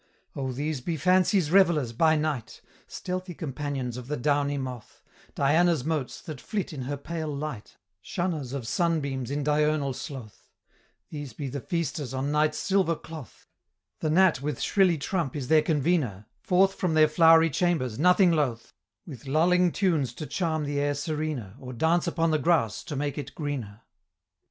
"Oh, these be Fancy's revelers by night! Stealthy companions of the downy moth Diana's motes, that flit in her pale light, Shunners of sunbeams in diurnal sloth; These be the feasters on night's silver cloth; The gnat with shrilly trump is their convener, Forth from their flowery chambers, nothing loth, With lulling tunes to charm the air serener, Or dance upon the grass to make it greener."